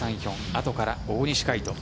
あとから大西魁斗。